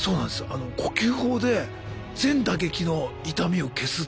あの呼吸法で全打撃の痛みを消すっていう。